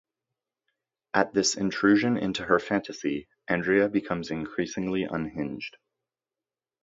At this intrusion into her fantasy, Andrea becomes increasingly unhinged.